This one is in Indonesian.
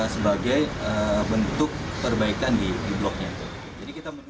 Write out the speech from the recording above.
sebagai bentuk perbaikan di bloknya